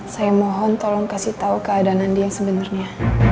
saya mohon tolong kasih tau keadaan andi yang sebenernya